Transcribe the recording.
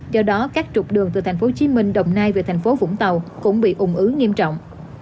do đó các trục đường từ tp hcm đồng nay về tp vũng tàu cũng bị ủng ứ nghiêm trọng